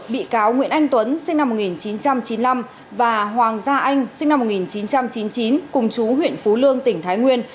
bị cáo nguyễn anh tuấn sinh năm một nghìn chín trăm chín mươi năm và hoàng gia anh sinh năm một nghìn chín trăm chín mươi chín cùng chú huyện phú lương tỉnh thái nguyên